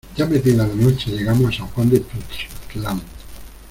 ya metida la noche llegamos a San Juan de Tuxtlan.